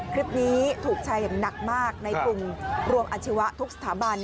คลิปนี้ถูกใช้หนักมากในกรุงรวมอาชีวะทุกสถาบัน